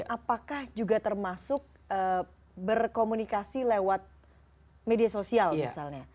apakah juga termasuk berkomunikasi lewat media sosial misalnya